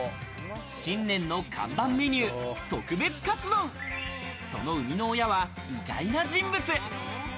信年の看板メニュー、特別かつ丼、その生みの親は意外な人物。